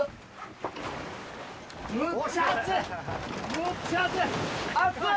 むっちゃ熱い！